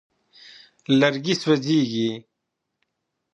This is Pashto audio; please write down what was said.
لرګي سوځېږي.